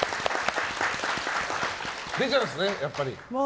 出ちゃうんですね、やっぱり。